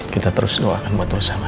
kita terus doakan buat bersama ya